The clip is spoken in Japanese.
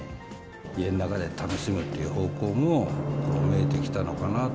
家の中で楽しむっていう方向も、増えてきたのかなと。